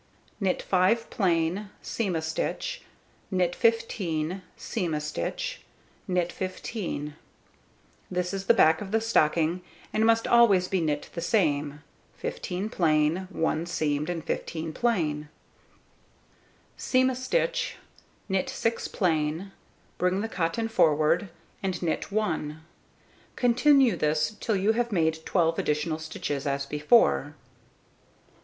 Knit 5 plain, seam a stitch, knit 15, seam a stitch, knit 15. (This is the back of the stocking, and must always be knit the same 15 plain, 1 seamed, and 15 plain.) Seam a stitch, knit 6 plain, bring the cotton forward, and knit 1. Continue this till you have made 12 additional stitches, as before.